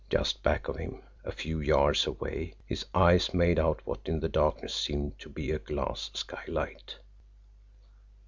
Just back of him, a few yards away, his eyes made out what, in the darkness, seemed to be a glass skylight.